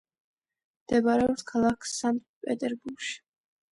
მდებარეობს ქალაქ სანქტ-პეტერბურგში.